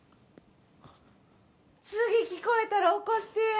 次聞こえたらおこしてや。